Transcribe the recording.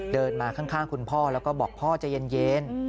เดินมาข้างคุณพ่อแล้วก็บอกพ่อใจเย็น